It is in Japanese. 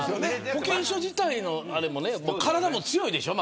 保険証自体のあれもね体も強いでしょう、